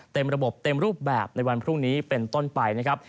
เต็มระบบเต็มรูปแบบในวันพรุ่งนี้เป็นต้นไปนะครับ